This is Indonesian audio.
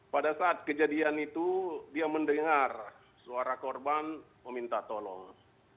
pada saat kejadian itu dia mendengar suara korban meminta tolong